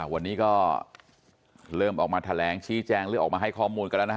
วันนี้ก็เริ่มออกมาแถลงชี้แจงหรือออกมาให้ข้อมูลกันแล้วนะฮะ